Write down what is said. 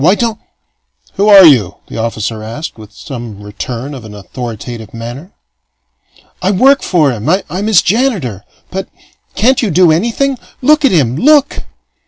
Why don't " "Who are you?" the officer asked, with some return of an authoritative manner. "I work for him. I'm his janitor. But can't you do anything? Look at him! Look!"